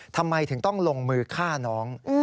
ทำไมถึงต้องลงมือฆ่าน้อง